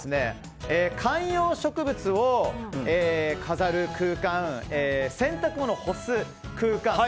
観葉植物を飾る空間洗濯物を干す空間、外。